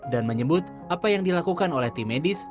dan menyebut apa yang dilakukan oleh tim medis